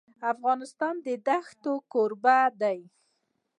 افغانستان د ښتې کوربه دی.